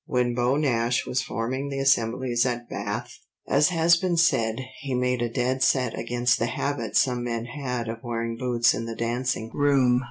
When Beau Nash was forming the assemblies at Bath, as has been said he made a dead set against the habit some men had of wearing boots in the dancing room.